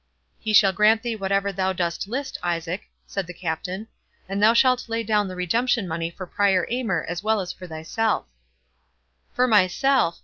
"He shall grant thee whatever thou dost list, Isaac," said the Captain; "and thou shalt lay down the redemption money for Prior Aymer as well as for thyself." "For myself!